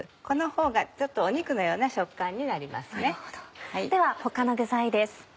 このほうがちょっと肉のような食感になります。